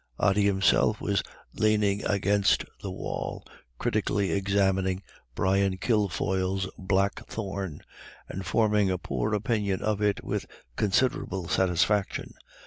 Ody himself was leaning against the wall, critically examining Brian Kilfoyle's blackthorn, and forming a poor opinion of it with considerable satisfaction.